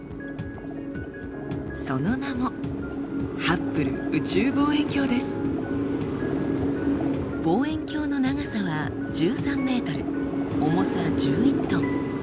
その名も望遠鏡の長さは１３ｍ重さ１１トン。